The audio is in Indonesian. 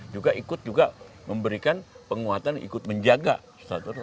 juga ikut juga memberikan penguatan ikut menjaga statuta